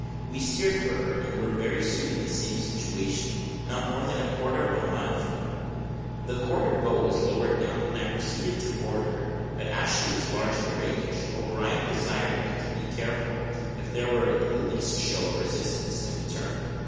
We steered for her, and were very soon in the same situation, not more than a quarter of a mile from her. The quarter boat was lowered down, and I proceeded to board her; but as she was large and rakish, O'Brien desired me to be careful, and if there were the least show of resistance to return.